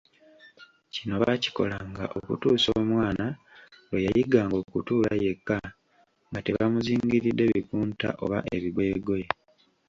Kino baakikolanga okutuusa omwana lwe yayiganga okutuula yekka nga tebamuzingiridde bikunta oba ebigoyegoye.